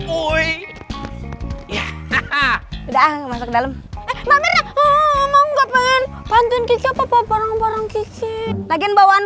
udah masuk dalam